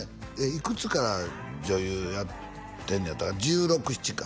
いくつから女優やってんねやったか１６１７か？